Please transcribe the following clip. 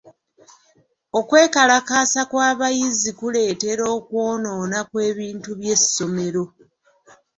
Okwekalakaasa kw'abayizi kuleetera okwenoona kw'ebintu by'essomero.